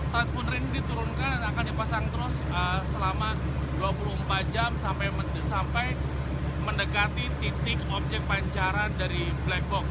transponder ini diturunkan dan akan dipasang terus selama dua puluh empat jam sampai mendekati titik objek pancaran dari black box